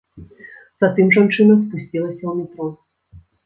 Затым жанчына спусцілася ў метро.